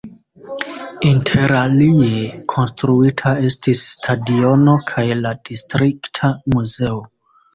Interalie konstruita estis stadiono kaj la distrikta muzeo.